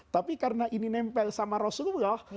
tapi karena ini nempel sama rasulullah